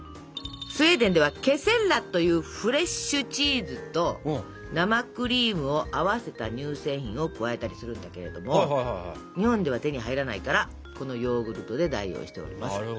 スウェーデンではケセッラというフレッシュチーズと生クリームを合わせた乳製品を加えたりするんだけれども日本では手に入らないからこのヨーグルトで代用しております。